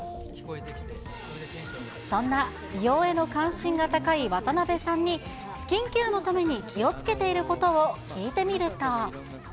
そんな美容への関心が高い渡辺さんに、スキンケアのために気をつけていることを聞いてみると。